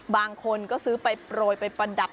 บางคนก็ซื้อไปโปรยไปประดับ